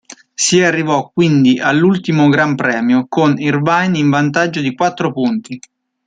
Si arrivò quindi all'ultimo Gran Premio, con Irvine in vantaggio di quattro punti.